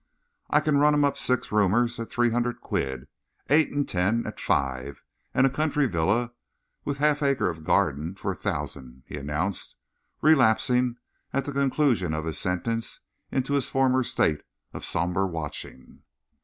"I can run 'em up six roomers at three hundred quid; eight and ten at five; and a country villa, with half an acre of garden, for a thousand," he announced, relapsing at the conclusion of his sentence into his former state of sombre watching.